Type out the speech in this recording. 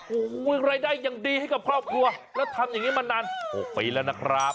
โอ้โหรายได้อย่างดีให้กับครอบครัวแล้วทำอย่างนี้มานาน๖ปีแล้วนะครับ